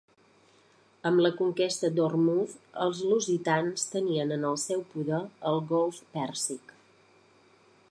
Amb la conquesta d'Ormuz, els lusitans tenien en el seu poder el Golf Pèrsic.